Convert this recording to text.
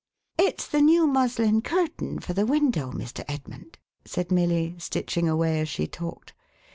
" It's the new muslin curtain for the window, Mr. Edmund,""1 said Milly, stitching away as she talked.